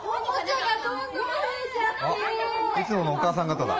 あっいつものお母さんがただ。